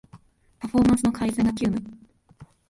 パフォーマンスの改善が急務